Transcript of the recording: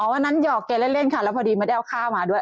อ๋อวันนั้นเกรียดเล่นค่ะแล้วพอดีมาได้เอาข้าวมาด้วย